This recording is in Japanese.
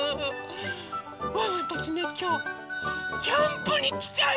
ワンワンたちねきょうキャンプにきちゃいました！